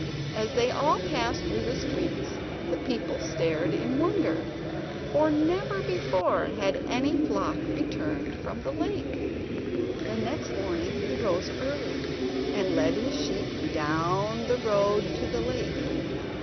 As they all passed through the streets the people stared in wonder, for never before had any flock returned from the lake. The next morning he rose early, and led his sheep down the road to the lake.